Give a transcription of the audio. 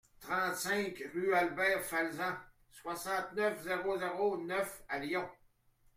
trente-cinq rue Albert Falsan, soixante-neuf, zéro zéro neuf à Lyon